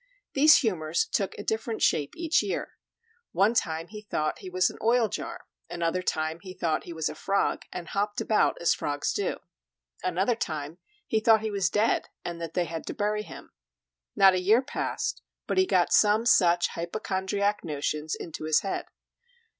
These humors took a different shape each year; one time he thought he was an oil jar; another time he thought he was a frog, and hopped about as frogs do; another time he thought he was dead, and then they had to bury him; not a year passed but he got some such hypochondriac notions into his head.